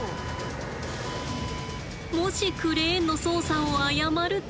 もしクレーンの操作を誤ると。